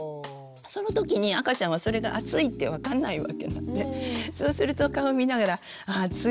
その時に赤ちゃんはそれが暑いって分かんないわけなんでそうすると顔見ながら「ああ暑いよね」